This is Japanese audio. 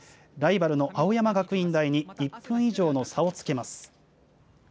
ライバルの青山学院大に１分以上の差をつけます。